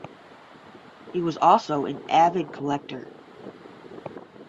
He was also an avid collector.